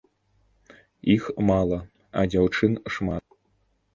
Іх мала, а дзяўчын шмат.